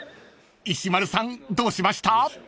［石丸さんどうしました？］